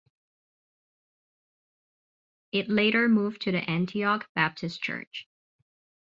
It later moved to the Antioch Baptist Church.